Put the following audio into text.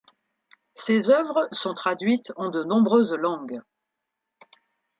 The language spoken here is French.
Ses œuvres sont traduites en de nombreuses langues.